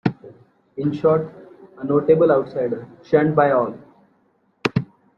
In short, a notable outsider, shunned by all.